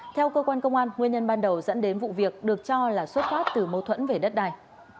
theo cơ quan công an nguyên nhân ban đầu dẫn đến vụ việc được cho là xuất phát từ mâu thuẫn về đất đai